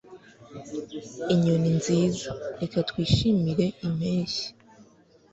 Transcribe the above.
inyoni nziza, reka twishimire impeshyi